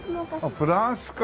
あっフランスか。